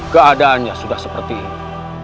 keadaannya sudah seperti ini